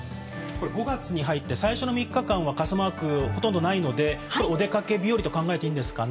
５月に入って最初の３日間は傘マークほとんどないので、お出かけ日和と考えていいですか？